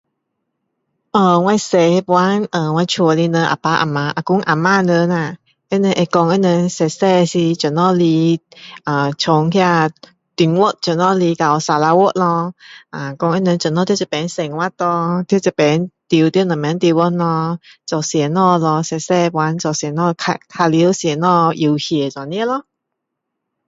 啊我小时候我家的人啊爸啊妈啊公啊嫲人啊他们会说他们小小是从哪里来呃从中国怎样来到沙捞越咯说他们怎样生活咯在这里住在什么地方做什么咯小时侯在做什么咯玩什么游戏这样咯